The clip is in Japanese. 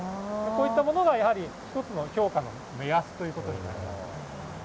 こういったものが１つの評価の目安ということになります。